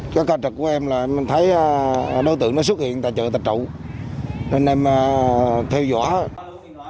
cái ca trật của em là em thấy đối tượng nó xuất hiện tại chợ thạch trụ nên em theo dõi